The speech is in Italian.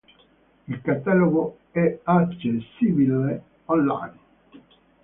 Il catalogo è accessibile online.